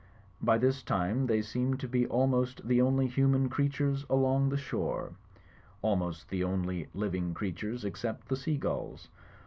By this time they seemed to be al most the only human creatures along the shore; almost the only living creatures, except the seagulls.